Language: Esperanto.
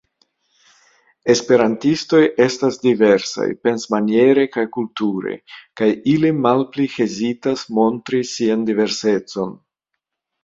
Esperantistoj estas diversaj pensmaniere kaj kulture, kaj ili malpli hezitas montri sian diversecon.